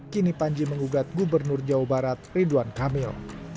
kini panji mengugat gubernur jawa barat ridwan kamil